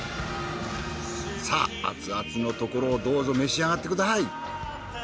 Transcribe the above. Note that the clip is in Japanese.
さぁ熱々のところをどうぞ召し上がってください。